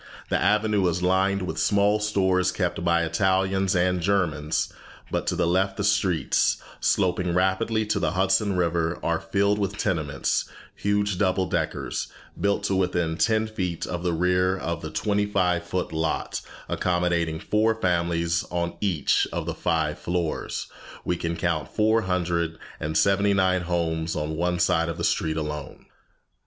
The avenue is lined with small stores kept by Italians and Germans, but to the left the streets, sloping rapidly to the Hudson River, are filled with tenements, huge double deckers, built to within ten feet of the rear of the twenty five foot lot, accommodating four families on each of the five floors. We can count four hundred and seventy nine homes on one side of the street alone!